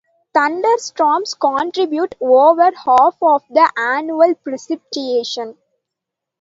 Thunderstorms contribute over half of the annual precipitation.